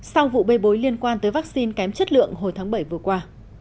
sau vụ bê bối liên quan tới vắc xin kém chất lượng hồi tháng bảy vừa qua